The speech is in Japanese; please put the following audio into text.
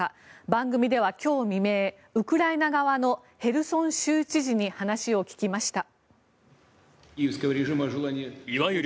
番組では今日未明ウクライナ側のヘルソン州知事に話を聞きました。